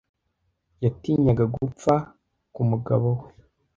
Yatinyaga gupfa k'umugabo we.